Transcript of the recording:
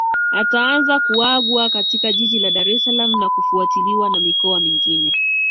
Ataanza kuagwa katika jiji la Dar es Salaam na kufuatiwa na mikoa mingine